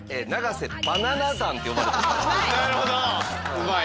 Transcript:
うまい！